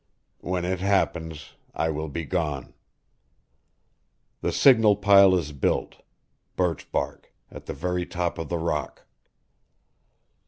When it happens I will be gone. The signal pile is built birch bark at the very top of the rock.